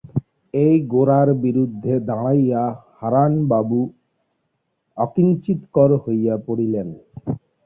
এই গোরার বিরুদ্ধে দাঁড়াইয়া হারানবাবু অকিঞ্চিৎকর হইয়া পড়িলেন।